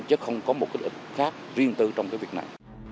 chứ không có một lợi ích khác riêng tư trong việc này